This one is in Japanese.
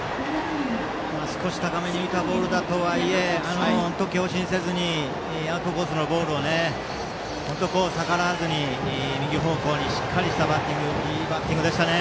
少し高めに浮いたボールとはいえ強振せずにアウトコースのボールを逆らわずに右方向にしっかりしたいいバッティングでした。